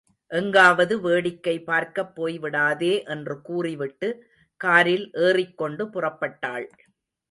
எங்காவது வேடிக்கை பார்க்கப் போய்விடாதே என்று கூறிவிட்டு, காரில் ஏறிக்கொண்டு புறப்பட்டாள்.